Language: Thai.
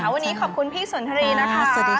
วันนี้ขอบคุณพี่สนทรีนะคะสวัสดีค่ะ